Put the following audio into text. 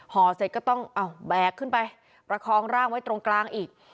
ห่อเสร็จก็ต้องเอาแบกขึ้นไปประคองร่างไว้ตรงกลางอีก